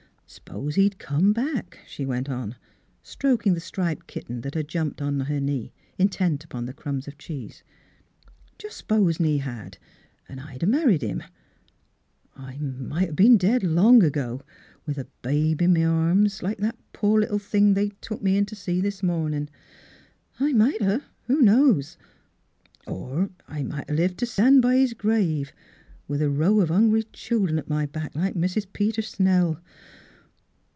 " S'pose he'd come back," she went on, stroking the striped kitten that had jumped to her knee, intent upon the crumbs of cheese, " just s'posen he had, 'n' I'd 'a' married him. I might 'a' been dead long ago, with a baby in m' arms, Mus Fhilura's Wedding Gown like that poor little thing they took me in t' see this morning. I might 'a', who knows. Or I might 'a' lived t' stan' b' his grave with a row of hungry children at my back, like Mrs. Peter Snell.